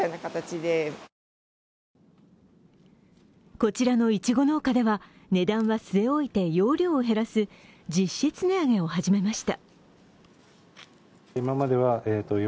こちらのいちご農家では、値段は据え置いて容量を減らす実質値上げを始めました。